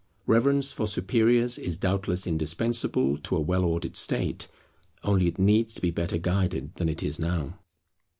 Reverence for superiors is doubtless indispensable to a well ordered state; only it needs to be better guided than it is now.